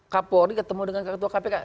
kapolri ketemu dengan ketua kpk